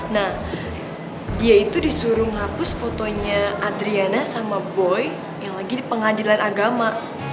nah dia itu disuruh menghapus fotonya adriana sama boy yang lagi di pengadilan agama